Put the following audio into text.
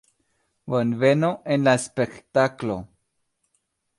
Bonvenon en la spektaklo!